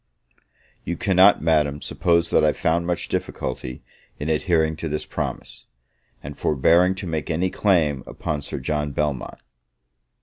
You cannot, Madam, suppose that I found much difficulty in adhering to this promise, and forbearing to make any claim upon Sir John Belmont.